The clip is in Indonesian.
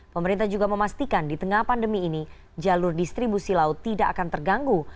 pemerintah juga memastikan di tengah pandemi ini jalur distribusi laut tidak akan terganggu